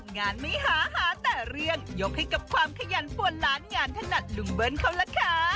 งานไม่หาหาแต่เรื่องยกให้กับความขยันปวนล้านงานถนัดลุงเบิ้ลเขาล่ะค่ะ